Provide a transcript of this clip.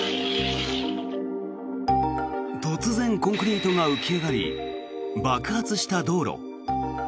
突然、コンクリートが浮き上がり爆発した道路。